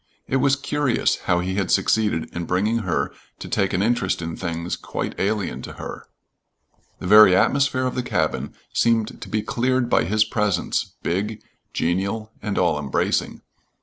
It was curious how he had succeeded in bringing her to take an interest in things quite alien to her. The very atmosphere of the cabin seemed to be cleared by his presence, big, genial, and all embracing.